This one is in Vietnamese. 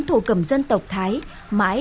thổ cầm dân tộc thái mãi